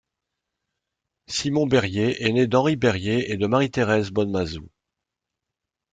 Simon Berryer est né d'Henri Berryer et de Marie-Thérèse Bonnemazou.